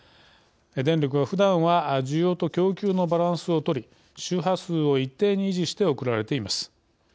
電力はふだんは需要と供給のバランスを取り周波数を一定に維持して送られています。